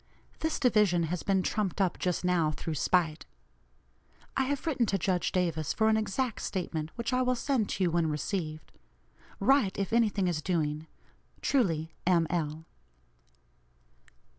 This division has been trumped up just now through spite. I have written to Judge Davis for an exact statement, which I will send to you when received. Write if any thing is doing. "Truly, "M. L."